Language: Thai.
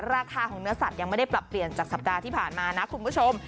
ราคาของเนื้อสัตว์ยังไม่ได้ปรับเปลี่ยนจากสัปดาห์ที่ผ่านมานะคุณผู้ชม